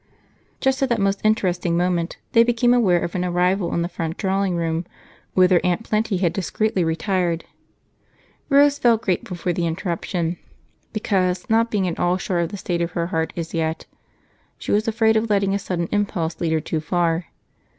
Just at that most interesting moment they became aware of an arrival in the front drawing room, whither Aunt Plenty had discreetly retired. Rose felt grateful for the interruption, because, not being at all sure of the state of her heart as yet, she was afraid of letting a sudden impulse lead her too far.